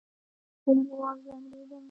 لږ وځنډېدم.